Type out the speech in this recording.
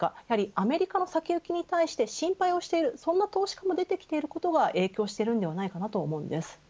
アメリカの先行きに対して心配をしている、そんな投資家も出てきていることが影響していると思うんです。